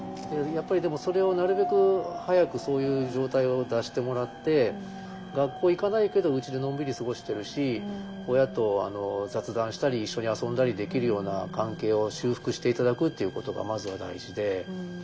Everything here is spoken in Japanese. やっぱりでもそれをなるべく早くそういう状態を脱してもらって学校行かないけどうちでのんびり過ごしてるし親と雑談したり一緒に遊んだりできるような関係を修復して頂くっていうことがまずは大事で。